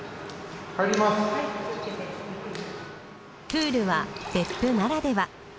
プールは別府ならでは。